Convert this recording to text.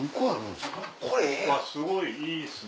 すごいいいですね。